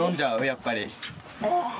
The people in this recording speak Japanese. やっぱり。